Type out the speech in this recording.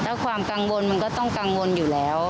ถ้าความกังวลมันก็ต้องกังวลอยู่แล้ว